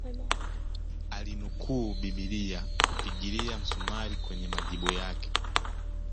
Alinukuu bibilia kupigilia msumari kwenye majibu yake